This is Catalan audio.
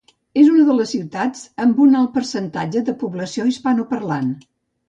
És una de les ciutats amb un alt percentatge de població hispanoparlant.